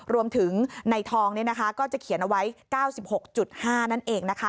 รวมถึงในทองก็จะเขียนเอาไว้๙๖๕นั่นเองนะคะ